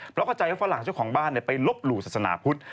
เพราะเข้าใจว่าฝรั่งเจ้าของบ้านไปลบหลู่ศาสนาพุทธ